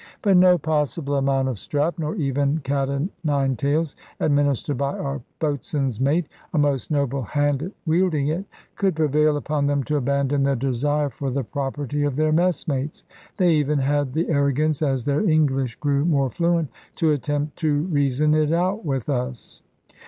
But no possible amount of strap, nor even cat and nine tails administered by our boatswain's mate (a most noble hand at wielding it), could prevail upon them to abandon their desire for the property of their messmates. They even had the arrogance, as their English grew more fluent, to attempt to reason it out with us.